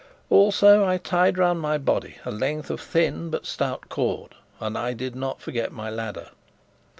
Also I tied round my body a length of thin but stout cord, and I did not forget my ladder.